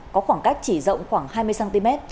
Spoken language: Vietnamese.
có khoảng cách chỉ rộng khoảng hai mươi cm